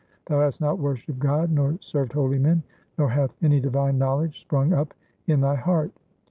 Thou hast not worshipped God, nor served holy men, nor hath any divine knowledge sprung up in thy heart.